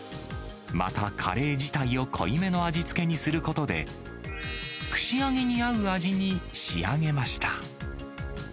また、カレー自体を濃い目の味付けにすることで、串揚げに合う味に仕上げました。